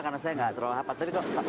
karena saya nggak terlalu rapat tapi kalau